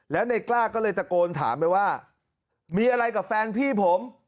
แล้วในกล้าก็เลยตะโกนถามไปว่ามีอะไรกับแฟนพี่ผม